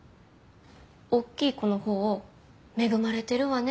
おっきい子の方を「恵まれてるわね」